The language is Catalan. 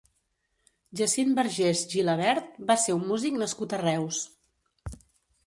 Jacint Vergés Gilabert va ser un músic nascut a Reus.